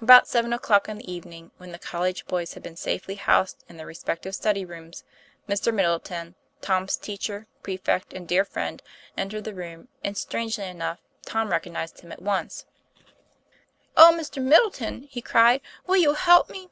About seven o'clock in the evening, when the college boys had been safely housed in their respect ive study rooms, Mr. Middleton, Tom's teacher, prefect, and dear friend, entered the room, and, strangely enough, Tom recognized him at once, 234 TOM PLA YFAIR. "Oh, Mr. Middleton," he cried, "will you help me?"